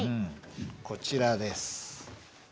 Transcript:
こちらです。